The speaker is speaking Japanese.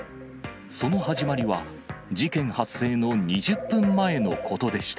その始まりは、事件発生の２０分前のことでした。